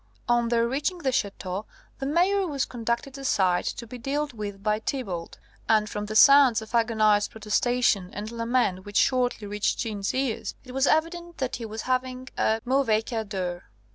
On their reaching the Ch√¢teau the Mayor was conducted aside, to be dealt with by Thibault; and from the sounds of agonised protestation and lament which shortly reached Jeanne's ears, it was evident that he was having a mauvais quart d'heure.